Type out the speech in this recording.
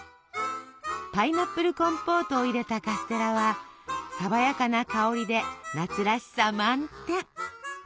パイナップルコンポートを入れたカステラは爽やかな香りで夏らしさ満点。